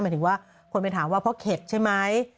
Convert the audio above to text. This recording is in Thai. หมายถึงว่าคนไปถามว่าเพราะเข็ดใช่ไหม